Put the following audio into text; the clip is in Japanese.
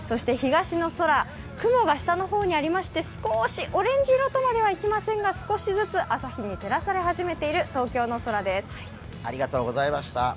東の空、雲が下の方にありまして少しオレンジ色とまではいきませんが、少しずつ朝日に照らされている東京の空でした。